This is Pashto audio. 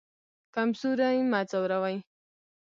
کمزوری مه ځوروئ